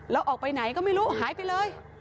แล้วออกไปไหนก็ไม่รู้หายไปเลย